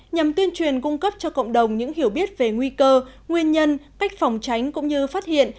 nhằm tuyên truyền cung cấp cho cộng đồng những hiểu biết về nguy cơ nguyên nhân cách phòng tránh cũng như phát hiện